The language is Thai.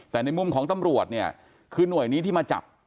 แต่ในมุมของตำรวจเนี่ยคือหน่วยนี้ที่มาจับ